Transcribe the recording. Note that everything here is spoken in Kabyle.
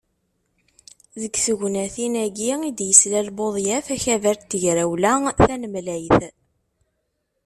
Deg tegnatin-agi i d-yeslal Buḍyaf akabar n Tegrawla Tanemlayt.